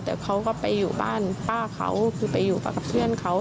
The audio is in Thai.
แต่เขาก็ไปอยู่บ้านป้าเขาคือไปอยู่ป้ากับเพื่อนเขา